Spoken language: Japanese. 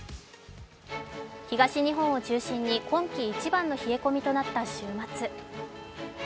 東日本を中心に今季一番の冷え込みとなった週末。